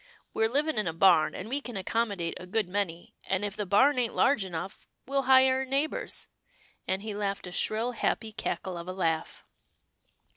" We're living in a barn, and we can accommodate a good many, and if the barn ain't large enough, we'll hire a neighbour's," and he laughed a shrill, happy cackle of a laugh.